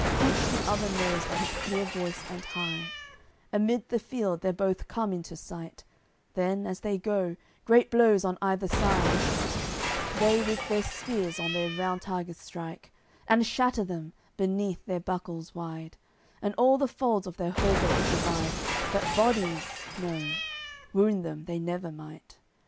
Each the other knows by his clear voice and high; Amid the field they're both come into sight, Then, as they go, great blows on either side They with their spears on their round targes strike; And shatter them, beneath their buckles wide; And all the folds of their hauberks divide; But bodies, no; wound them they never might.